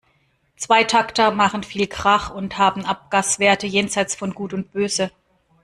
Zweitakter machen viel Krach und haben Abgaswerte jenseits von Gut und Böse.